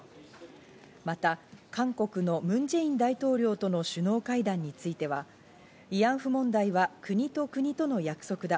また韓国のムン・ジェイン大統領との首脳会談については、慰安婦問題は国と国との約束だ。